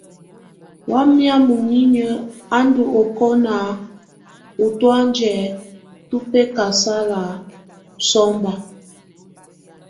Wamɛ̀á muninyǝ a ndù ɔkɔna u tɔ̀ánjɛ tù bɛkasala sɔmba.